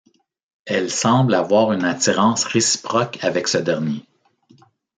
Elle semble avoir une attirance réciproque avec ce dernier.